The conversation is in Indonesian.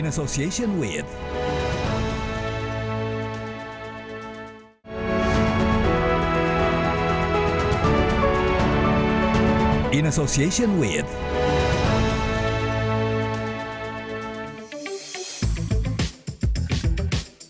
semua pusat taman sari sering dihiburkan produk kebutuhan panas dengan motherfucker yang standar kepada donatang tempat kalo nya di sallfillane